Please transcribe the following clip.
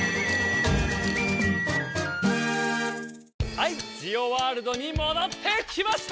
はいジオワールドにもどってきました！